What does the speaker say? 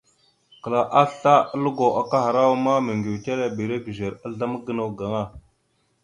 Kəla asle a lugo kahərawa ma, meŋgʉwetelebire gʉzer azzlam gənaw gaŋa.